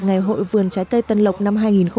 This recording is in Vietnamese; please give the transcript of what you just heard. ngày hội vườn trái cây tân lộc năm hai nghìn một mươi chín